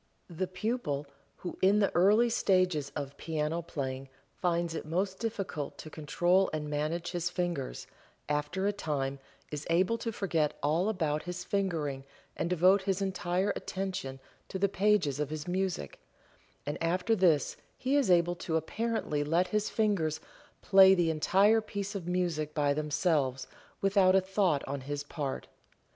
The pupil who in the early stages of piano playing finds it most difficult to control and manage his fingers, after a time is able to forget all about his fingering and devote his entire attention to the pages of his music, and after this he is able to apparently let his fingers play the entire piece of music by themselves without a thought on his part.